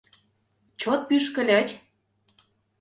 Чот пӱшкыльыч?